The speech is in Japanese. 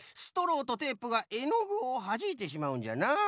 ストローとテープがえのぐをはじいてしまうんじゃな。